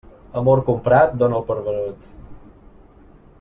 Amor comprat dóna'l per venut.